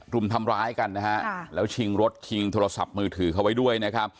รุมทำร้ายกันนะฮะแล้วชิงรถชิงโทรศัพท์มือถือเขาไว้ด้วยนะครับ